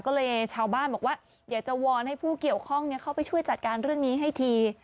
ก็เลยชาวบ้านบอกว่าอยากจะวอนให้ผู้เกี่ยวข้องเข้าไปช่วยจัดการเรื่องนี้ให้ที